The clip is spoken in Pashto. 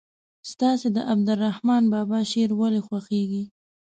ستاسې د عبدالرحمان بابا شعر ولې خوښیږي.